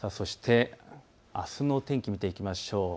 あすの天気を見ていきましょう。